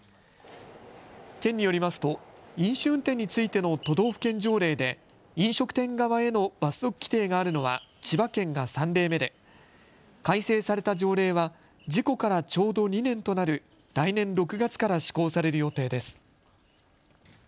県によりますと飲酒運転についての都道府県条例で飲食店側への罰則規定があるのは千葉県が３例目で改正された条例は事故からちょうど２年となる来年６月から施行される予定です。